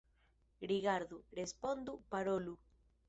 Rigardu, respondu, parolu!